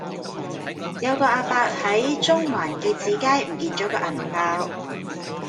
有個亞伯喺中環結志街唔見左個銀包